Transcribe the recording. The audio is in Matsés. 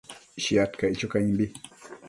Shiad caic cho caimbi